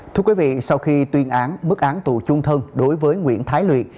thưa quý vị sau khi tuyên án mức án tù chung thân đối với nguyễn thái luyện